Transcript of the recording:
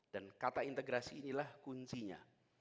dan kata integrasi inilah kuncinya